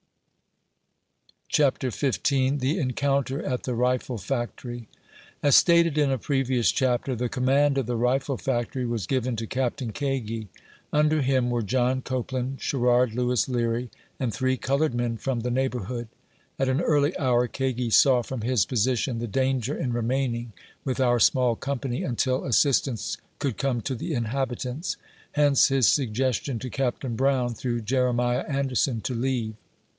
CHAPTER XV. THE ENCOUNTER AT THE RIFLE FACTORY. As stated in a previous chapter, the command of the rifle factory was given to Captain Kagi. Under him were John Copeland, Sherrard Lewis Leary, and three colored men from the neighborhood. At an early hour, Kagi saw from his po sition the danger in remaining, with our small company, until assistance could come to the inhabitant! Hence his sugges tion to Captain Brown, through Jeremiah Anderson, to leave.